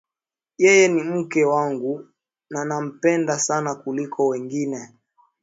Yeye ni mke wangu na nampenda sana kuliko wengine